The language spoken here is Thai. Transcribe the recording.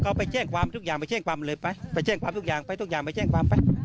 เขาไปแจ้งความทุกอย่างไปแจ้งความเลยไปไปแจ้งความทุกอย่างไปทุกอย่างไปแจ้งความไป